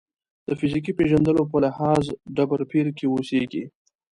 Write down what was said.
د فیزیکي پېژندلو په لحاظ ډبرپېر کې اوسېږي.